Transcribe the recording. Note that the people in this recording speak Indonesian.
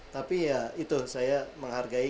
tapi ya itu saya menghargai